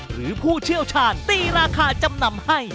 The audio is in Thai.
ผู้เชี่ยวชาญตีราคาจำนำให้